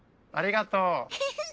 ありがとう。